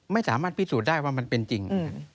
ไม่สามารถพิสูจน์ได้ว่ามันเป็นจริง